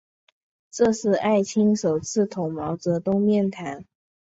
这是艾青首次同毛泽东面谈。